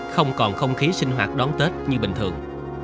không còn không khí sinh hoạt đón tết như bình thường